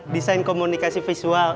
desain komunikasi visual